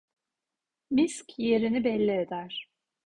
Misk yerini belli eder.